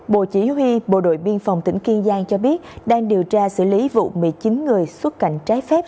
bộ chỉ huy bộ đội biên phòng tỉnh kiên giang cho biết đang điều tra xử lý vụ một mươi chín người xuất cảnh trái phép